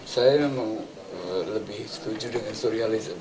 saya memang lebih setuju dengan surialism